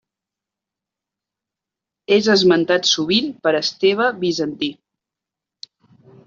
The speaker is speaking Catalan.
És esmentat sovint per Esteve Bizantí.